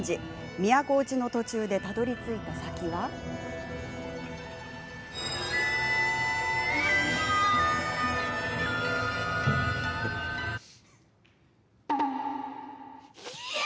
都落ちの途中でたどりついた先は。イヤ！